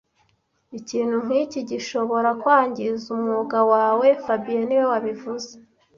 Ikintu nkiki gishobora kwangiza umwuga wawe fabien niwe wabivuze